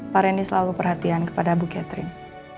pak reni selalu perhatian kepada bu catherine